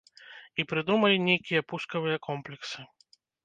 І прыдумалі нейкія пускавыя комплексы.